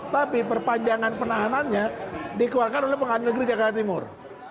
tapi perpanjangan penahanannya dikeluarkan oleh pengadilan negeri jakarta timur